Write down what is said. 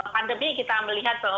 pandemi kita melihat bahwa